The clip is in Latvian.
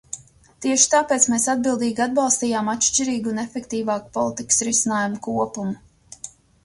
Tieši tāpēc mēs atbildīgi atbalstījām atšķirīgu un efektīvāku politikas risinājumu kopumu.